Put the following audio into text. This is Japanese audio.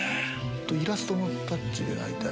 イラストのタッチで大体。